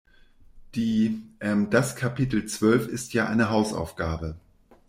Die, ähm, das Kapitel zwölf ist ja eine Hausaufgabe.